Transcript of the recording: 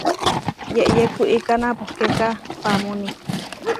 Yeʼyé kuiká napohkéka paʼámuuní.